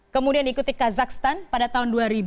kemudian diikuti kazakhstan pada tahun dua ribu